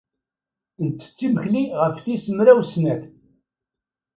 Nettett imekli ɣef tis mraw snat.